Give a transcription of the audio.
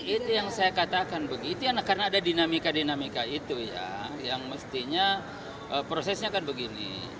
itu yang saya katakan begitu karena ada dinamika dinamika itu ya yang mestinya prosesnya kan begini